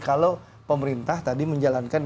kalau pemerintah tadi menjalankan